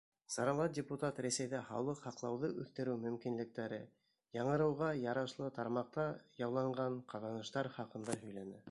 Сарала депутат Рәсәйҙә һаулыҡ һаҡлауҙы үҫтереү мөмкинлектәре, яңырыуға ярашлы тармаҡта яуланған ҡаҙаныштар хаҡында һөйләне.